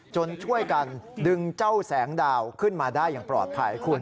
ช่วยกันดึงเจ้าแสงดาวขึ้นมาได้อย่างปลอดภัยคุณ